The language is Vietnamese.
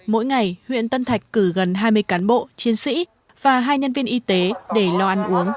mỗi ngày huyện tân thạch cử gần hai mươi cán bộ chiến sĩ và hai nhân viên y tế để lo ăn uống